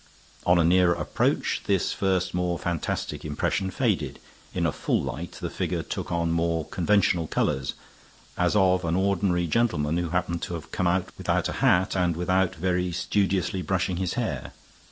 On a nearer approach this first more fantastic impression faded; in a full light the figure took on more conventional colors, as of an ordinary gentleman who happened to have come out without a hat and without very studiously brushing his hair.